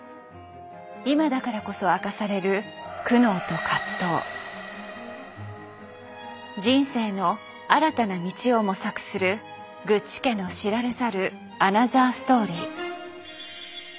今だからこそ明かされる人生の新たな道を模索するグッチ家の知られざるアナザーストーリー。